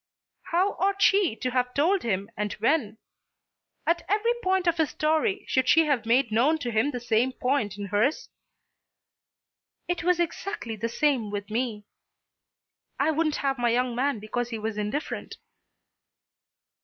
How ought she to have told him, and when? At every point of his story should she have made known to him the same point in hers? "It was exactly the same with me." "I wouldn't have my young man because he was indifferent."